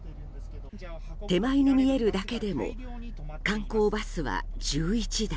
手前に見えるだけでも観光バスは１１台。